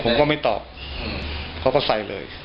ผมก็ไม่ตอบเขาก็ใส่เลย